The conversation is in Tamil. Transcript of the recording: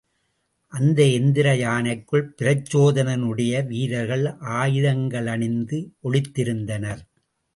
அந்த எந்திர யானைக்குள் பிரச்சோதனனுடைய வீரர்கள் ஆயுதங்களணிந்து ஒளிந்திருந்தனர்.